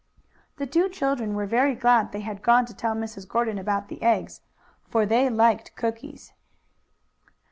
The two children were very glad they had gone to tell Mrs. Gordon about the eggs, for they liked cookies.